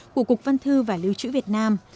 cục văn thư và lưu trữ việt nam